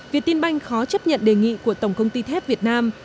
việt tin banh khó chấp nhận đề nghị của tổng công ty thép việt nam